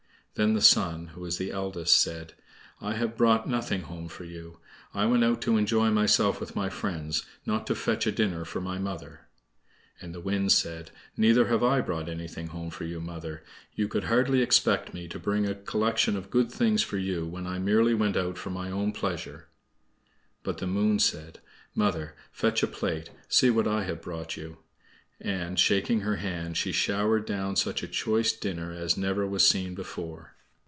Then the Sun (who was the eldest) said: "I have brought nothing home for you. I went out to enjoy myself with my friends, not to fetch a dinner for my mother!" And the Wind said: "Neither have I brought anything home for you, mother. You could hardly expect me to bring a collection of good things for you when I merely went out for my own pleasure." But the Moon said: "Mother, fetch a plate; see what I have brought you." And, shaking her hands, she showered down such a choice dinner as never was seen before.